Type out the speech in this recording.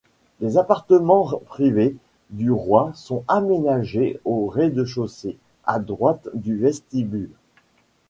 Les appartements privés du roi sont aménagés au rez-de-chaussée, à droite du vestibule.